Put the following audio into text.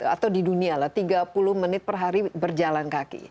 atau di dunia lah tiga puluh menit per hari berjalan kaki